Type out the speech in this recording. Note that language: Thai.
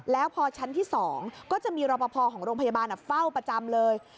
แล้วพอชั้นที่๒ก็จะมีรอปภของโรงพยาบาลเฝ้าประจำเลย